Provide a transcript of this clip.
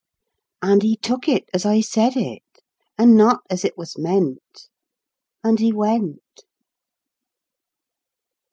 â¢ â¢ â¢ â¢ â¢ And he took it as I said it, an' not as it was meant. And he went.